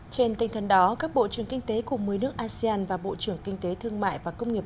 trên tinh thần đó các bộ trưởng kinh tế cùng một mươi nước asean và bộ trưởng kinh tế thương mại và công nghiệp